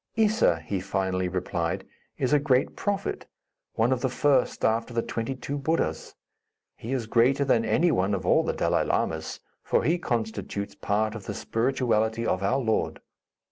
"Issa," he finally replied, "is a great prophet, one of the first after the twenty two Buddhas. He is greater than any one of all the Dalai Lamas, for he constitutes part of the spirituality of our Lord.